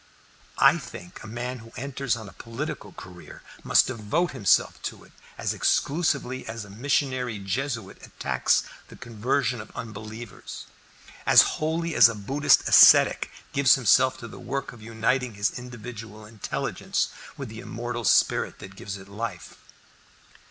I think a man who enters on a political career must devote himself to it as exclusively as a missionary Jesuit attacks the conversion of unbelievers, as wholly as a Buddhist ascetic gives himself to the work of uniting his individual intelligence with the immortal spirit that gives it life."